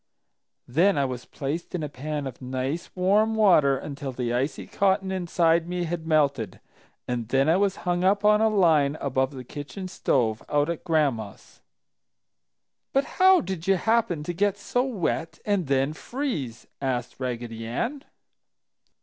"Then I was placed in a pan of nice warm water until the icy cotton inside me had melted, and then I was hung up on a line above the kitchen stove, out at Gran'ma's." "But how did you happen to get so wet and then freeze?" asked Raggedy Ann.